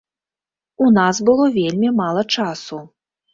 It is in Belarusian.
У нас было вельмі мала часу.